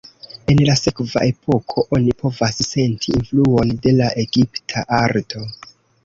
En la sekva epoko, oni povas senti influon de la egipta arto.